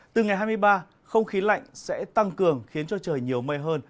từ ngày hai mươi ba không khí lạnh sẽ tăng cường khiến cho trời nhiều mây hơn